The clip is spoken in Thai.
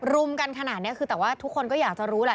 รุมกันขนาดนี้คือแต่ว่าทุกคนก็อยากจะรู้แหละ